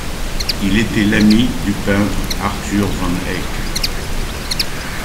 Il était l'ami du peintre Arthur Van Hecke.